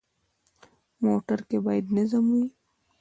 موټر کې باید نظم وي.